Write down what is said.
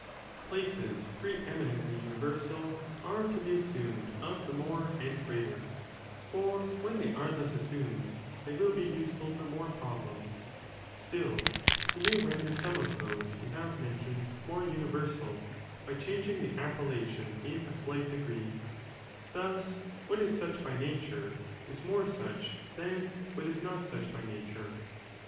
PLaceEs pre eminently universal are to be as ics pre ininiently sumed of the more and greater, for when they are universal of _ thus assumed they will be useful for more (pro ee ae blems); still we may render some of those we assumed; rea have mentioned, more universal by changing the πὰ, Causes to appellation in a slight degree ; thus, what is such | ihe by nature, is more such than what is not such by nature.